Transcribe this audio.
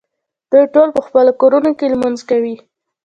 دوی ټول په خپلو کورونو کې لمونځ کوي.